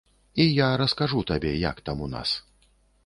І я раскажу табе, як там у нас.